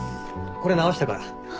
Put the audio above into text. これ直したから。